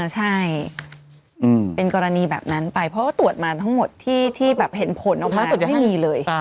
ใช่เป็นกรณีแบบนั้นไปเพราะว่าตรวจมาทั้งหมดที่แบบเห็นผลออกมาตรวจไม่มีเลย